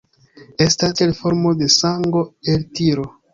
Estas tiel formo de sango-eltiro.